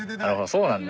そうなんだ。